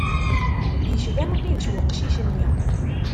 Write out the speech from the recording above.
Yecba Mqidec uqcic-nni.